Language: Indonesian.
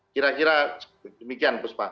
kira kira demikian bu spa